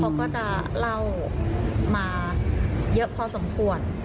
เขาก็จะเล่ามาเยอะพอสมควร